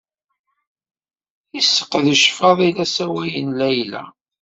Yseqdec Faḍil asawal n Layla.